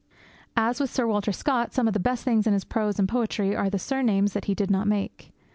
As with Sir Walter Scott, some of the best things in his prose and poetry are the surnames that he did not make.